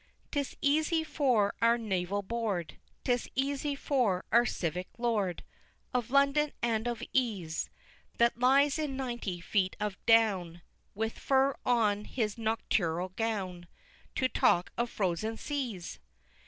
VII. 'Tis easy for our Naval Board 'Tis easy for our Civic Lord Of London and of ease, That lies in ninety feet of down, With fur on his nocturnal gown, To talk of Frozen Seas!